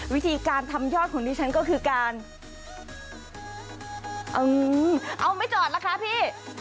วิธีการทำยอดของดิฉันก็คือการเอาไม่จอดล่ะคะพี่